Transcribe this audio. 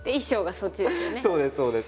そうですそうです。